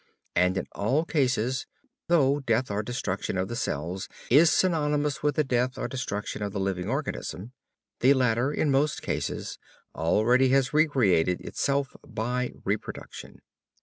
And in all cases, though death or destruction of the cells is synonymous with the death or destruction of the living organism, the latter in most cases already has recreated itself by reproduction.